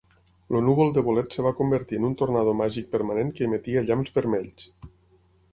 El núvol de bolet es va convertir en un tornado màgic permanent que emetia llamps vermells.